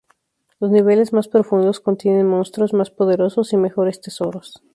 Los niveles más profundos contienen monstruos más poderosos y mejores tesoros.